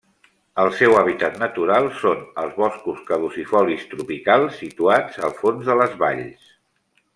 El seu hàbitat natural són els boscos caducifolis tropicals situats al fons de les valls.